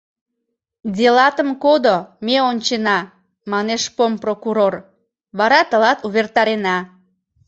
— Делатым кодо, ме ончена, — манеш помпрокурор, — вара тылат увертарена.